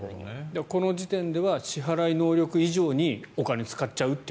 この時点では支払い能力以上にお金を使っちゃうと。